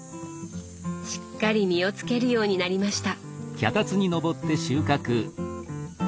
しっかり実をつけるようになりました。